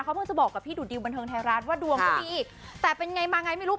เขาเพิ่งจะบอกกับพี่ดูดดิวบันเทิงไทยรัฐว่าดวงก็ดีแต่เป็นไงมาไงไม่รู้